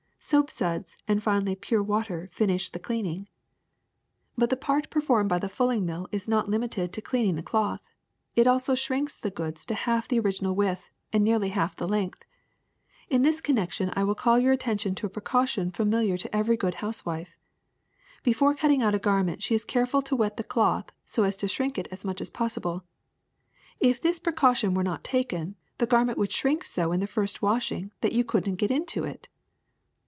Soap suds and finally pure water finish the cleanings WOOLEN CLOTH 43 ^^ But the part performed by the fulling mill is not limited to cleaning the cloth; it also shrinks the goods to half the original A\ddth and nearly half the length. In this connection I will call your attention to a precaution familiar to everj^ good housewife. Before cutting out a garment she is careful to wet the cloth so as to shrink it as much as possible. If this precaution were not taken, the garment would shrink so in the first washing that you could n't get into it."